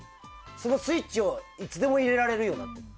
そのスイッチをいつでも入れられるようになってる。